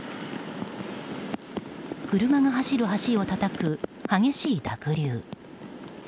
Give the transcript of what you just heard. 車が走る橋をたたく激しい濁流。